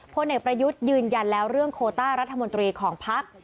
พลเอกประยุทธ์ยืนยันแล้วเรื่องโคต้ารัฐมนตรีของพัก